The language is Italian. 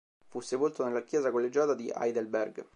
Fu sepolto nella chiesa collegiata di Heidelberg.